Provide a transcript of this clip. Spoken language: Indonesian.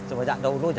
sejak dahulu aja